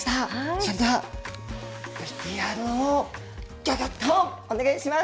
それではＶＴＲをギョギョっとお願いします。